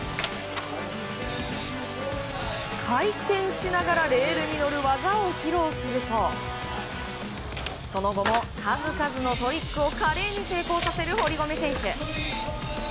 回転しながらレールに乗る技を披露するとその後も数々のトリックを華麗に成功させる堀米選手。